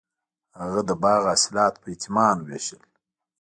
هغه د باغ حاصلات په یتیمانو ویشل.